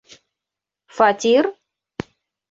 Фатир?!